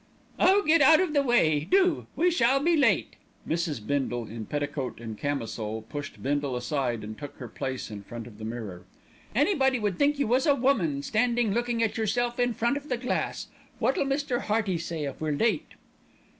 "Oh, get out of the way, do! We shall be late." Mrs. Bindle, in petticoat and camisole, pushed Bindle aside and took her place in front of the mirror. "Anybody would think you was a woman, standing looking at yourself in front of the glass. What'll Mr. Hearty say if we're late?"